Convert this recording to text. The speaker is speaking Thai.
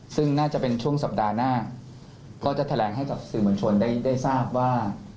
ซึ่งน่าจะเป็นช่วงสัปดาห์หน้าก็จะแถลงให้กับสื่อมวลชนได้ทราบว่า